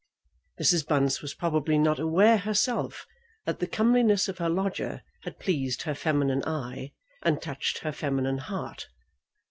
Mrs. Bunce was probably not aware herself that the comeliness of her lodger had pleased her feminine eye, and touched her feminine heart.